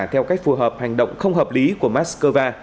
theo cách phù hợp hành động không hợp lý của moscow